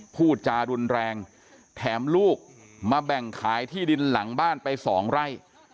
พูดจารุนแรงแถมลูกมาแบ่งขายที่ดินหลังบ้านไปสองไร่